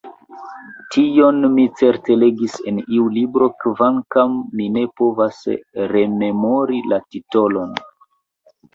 Tion mi certe legis en iu libro kvankam mi ne povas rememori la titolon.